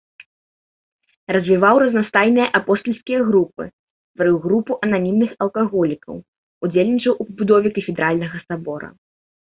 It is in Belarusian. Развіваў разнастайныя апостальскія групы, стварыў групу ананімных алкаголікаў, удзельнічаў у пабудове кафедральнага сабора.